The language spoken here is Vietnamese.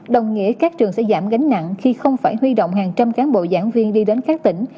đồng nghĩa các trường sẽ giảm gánh nặng khi không phải huy động hàng trăm cán bộ giảng viên đi đến các tỉnh